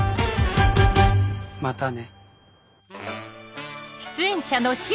またね。